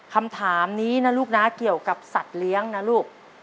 คำถามนี้นะลูกนะเกี่ยวกับสัตว์เลี้ยงนะลูก